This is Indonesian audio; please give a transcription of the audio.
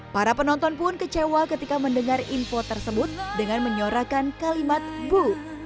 para penonton pun kecewa ketika mendengar info tersebut dengan menyorakan kalimat bu